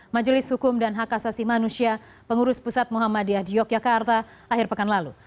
majelis hukum dan hak asasi manusia pengurus pusat muhammadiyah di yogyakarta akhir pekan lalu